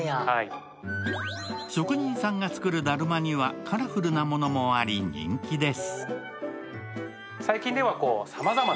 職人さんが作るだるまにはカラフルなものもあり、人気です。